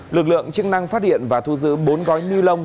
lực lượng chức năng phát hiện và thu giữ bốn gói nilon